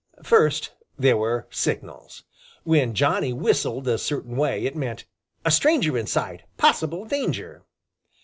First, there were signals. When Johnny whistled a certain way, it meant "A stranger in sight; possible danger!"